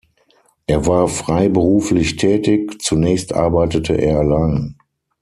Er war freiberuflich tätig, zunächst arbeitete er allein.